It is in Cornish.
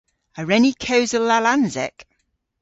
A wren ni kewsel Lallansek?